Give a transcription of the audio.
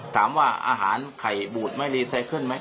ถามว่าอาหารไข่บูดไหมรีไซเคิลไหม